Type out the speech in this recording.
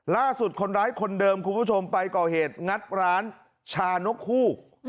ล่าสุดคนร้ายคนเดิมคุณผู้ชมไปก่อเหตุงัดร้านชานกฮูก